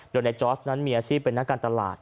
โดยในจอร์สนั้นมีอาชีพเป็นนักการตลาด